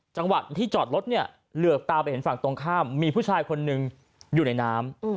จังหวะที่จอดรถเนี่ยเหลือกตาไปเห็นฝั่งตรงข้ามมีผู้ชายคนหนึ่งอยู่ในน้ำ